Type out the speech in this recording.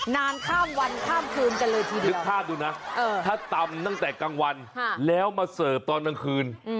นานข้ามวันข้ามคืนกันเลยทีเดียวนึกภาพดูนะถ้าตำตั้งแต่กลางวันแล้วมาเสิร์ฟตอนกลางคืน